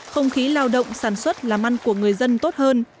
không khí lao động sản xuất làm ăn của người dân tốt hơn